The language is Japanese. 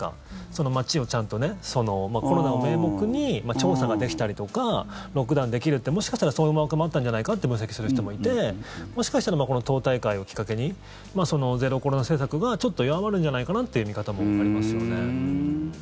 その街をちゃんとコロナを名目に調査ができたりとかロックダウンできるってもしかしたら、そういう思惑もあったんじゃないかって分析する人もいてもしかしたらこの党大会をきっかけにゼロコロナ政策がちょっと弱まるんじゃないかという見方もありますよね。